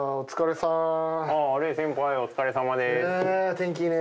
天気いいね。